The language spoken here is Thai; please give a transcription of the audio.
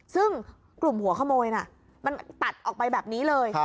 ซึ่งกลุ่มหัวขโมยน่ะมันตัดออกไปแบบนี้เลย